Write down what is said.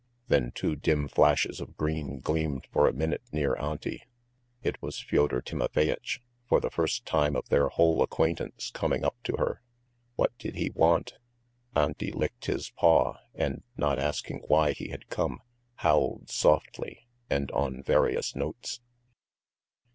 Then two dim flashes of green gleamed for a minute near Auntie. It was Fyodor Timofeyitch, for the first time of their whole acquaintance coming up to her. What did he want? Auntie licked his paw, and not asking why he had come, howled softly and on various notes.